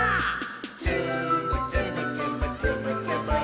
「つぶつぶつぶつぶつぶりん！」